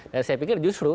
dan saya pikir justru